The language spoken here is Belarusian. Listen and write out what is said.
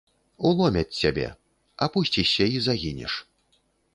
Уломяць цябе, апусцішся і загінеш.